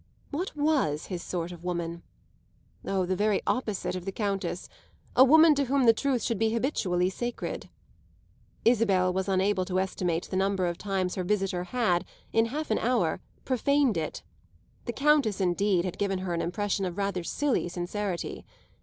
What was his sort of woman? Oh, the very opposite of the Countess, a woman to whom the truth should be habitually sacred. Isabel was unable to estimate the number of times her visitor had, in half an hour, profaned it: the Countess indeed had given her an impression of rather silly sincerity.